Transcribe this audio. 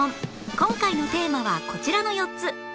今回のテーマはこちらの４つ